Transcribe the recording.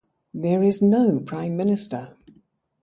There is no Prime Minister.